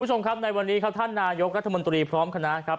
คุณผู้ชมครับในวันนี้ครับท่านนายกรัฐมนตรีพร้อมคณะครับ